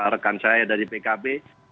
rekan saya dari pkb